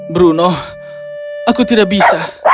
bruno aku tidak bisa